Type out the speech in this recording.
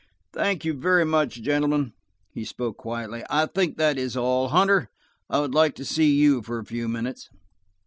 "Thank you very much, gentlemen," he spoke quietly. "I think that is all. Hunter, I would like to see you for a few minutes."